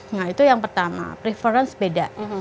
nah itu yang pertama preference beda